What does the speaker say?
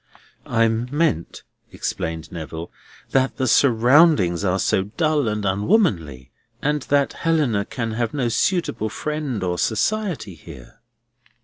"I meant," explained Neville, "that the surroundings are so dull and unwomanly, and that Helena can have no suitable friend or society here."